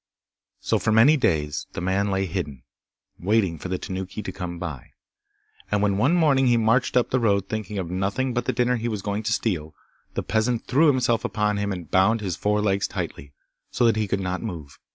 So for many days the man lay hidden, waiting for the Tanuki to come by, and when one morning he marched up the road thinking of nothing but the dinner he was going to steal, the peasant threw himself upon him and bound his four legs tightly, so that he could not move.